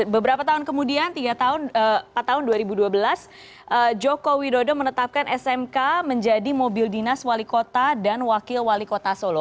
beberapa tahun kemudian empat tahun dua ribu dua belas joko widodo menetapkan smk menjadi mobil dinas wali kota dan wakil wali kota solo